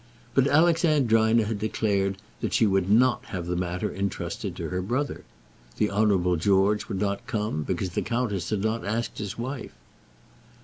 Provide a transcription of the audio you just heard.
But Alexandrina had declared that she would not have the matter entrusted to her brother. The Honourable George would not come, because the countess had not asked his wife.